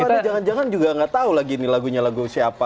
atau ada jangan jangan juga gak tau lagi ini lagunya lagu siapa